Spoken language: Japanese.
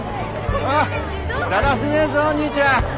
ああだらしねえぞにいちゃん。